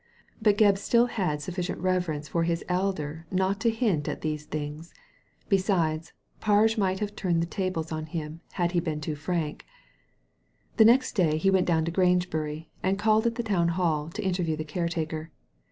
But Gebb still had sufficient reverence for his elder not to hint at these things. Besides, Parge might have turned the tables on him had |ie l>een too frank. The next day he went down to Grangebury, and called at the Town Hall to interview the caretaker.